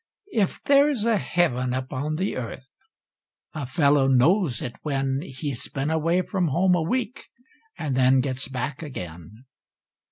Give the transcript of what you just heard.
If there's a heaven upon the earth, a fellow knows it when He's been away from home a week, and then gets back again.